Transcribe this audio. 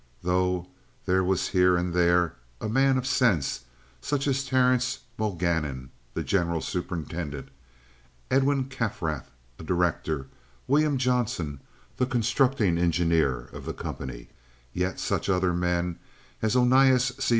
Though there was here and there a man of sense—such as Terrence Mulgannon, the general superintendent; Edwin Kaffrath, a director; William Johnson, the constructing engineer of the company—yet such other men as Onias C.